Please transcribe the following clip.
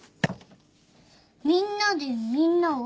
「みんなでみんなを」？